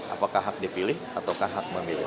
apakah hak dipilih ataukah hak memilih